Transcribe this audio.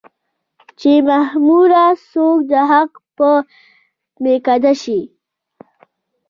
چې مخموره څوک د حق په ميکده شي